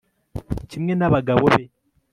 kimwe n'abagabo be